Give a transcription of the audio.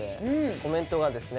コメントがですね。